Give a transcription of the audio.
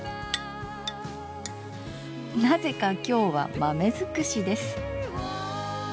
なぜか今日は豆尽くしです。